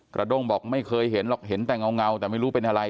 ด้งบอกไม่เคยเห็นหรอกเห็นแต่เงาแต่ไม่รู้เป็นอะไร